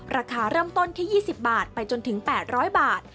ราคาเริ่มต้นที่๒๐บาทไปจนถึง๘๐๐บาท